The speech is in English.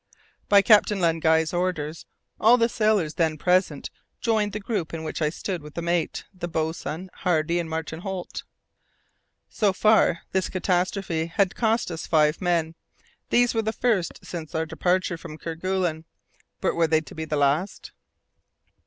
By Captain Len Guy's orders all the sailors then present joined the group in which I stood with the mate, the boatswain, Hardy and Martin Holt. So far, this catastrophe had cost us five men these were the first since our departure from Kerguelen, but were they to be the last?